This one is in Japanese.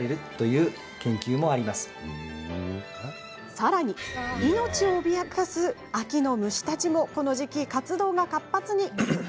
さらに命を脅かす秋の虫たちもこの時期、活動が活発に。